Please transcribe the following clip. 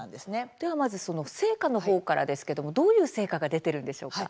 では、まず成果の方ですがどういう成果が出ているんでしょうか。